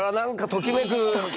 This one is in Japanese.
ときめく！